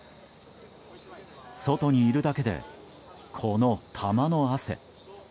外にいるだけで、この玉の汗。